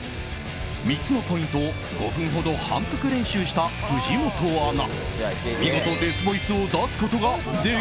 ３つのポイントを５分ほど反復練習した藤本アナ。